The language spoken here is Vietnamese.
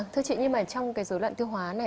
thưa chị nhưng mà trong cái dối loạn tiêu hóa này